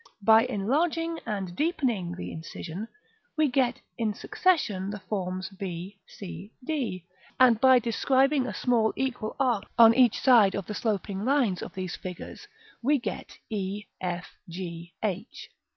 By enlarging and deepening the incision, we get in succession the forms b, c, d; and by describing a small equal arc on each of the sloping lines of these figures, we get e, f, g, h.